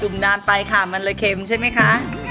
ุ่มนานไปค่ะมันเลยเค็มใช่ไหมคะ